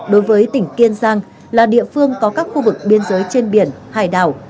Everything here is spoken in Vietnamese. đối với tỉnh kiên giang là địa phương có các khu vực biên giới trên biển hải đảo